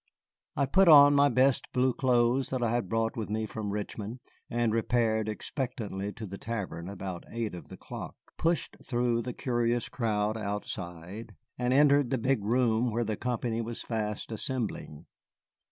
I put on my best blue clothes that I had brought with me from Richmond, and repaired expectantly to the tavern about eight of the clock, pushed through the curious crowd outside, and entered the big room where the company was fast assembling.